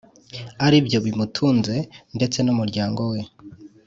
aribyo bimutunze ndetse n’umuryango we.